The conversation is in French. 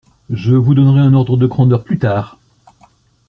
je vous donnerai un ordre de grandeur plus tard,